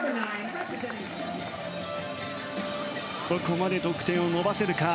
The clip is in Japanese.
どこまで得点を伸ばせるか。